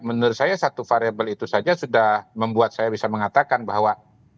menurut saya satu variable itu saja sudah membuat saya bisa mengatakan bahwa